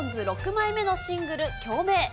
６枚目のシングル、共鳴。